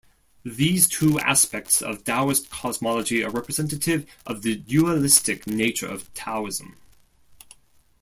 These two aspects of Daoist cosmology are representative of the dualistic nature of Taoism.